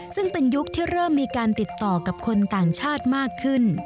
ซึ่งเป็นยุคที่เริ่มมีการติดต่อกับคนต่างชาติมากขึ้น